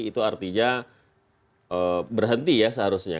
itu artinya berhenti ya seharusnya